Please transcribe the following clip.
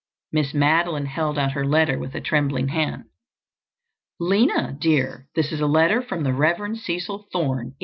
Miss Madeline held out her letter with a trembling hand. "Lina, dear, this is a letter from the Rev. Cecil Thorne.